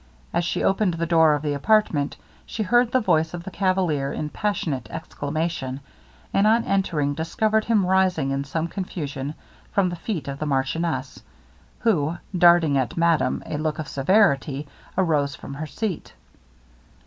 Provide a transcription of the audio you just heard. As she opened the door of the apartment, she heard the voice of the cavalier in passionate exclamation; and on entering, discovered him rising in some confusion from the feet of the marchioness, who, darting at madame a look of severity, arose from her seat.